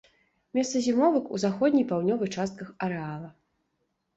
Месца зімовак у заходняй і паўднёвай частках арэала.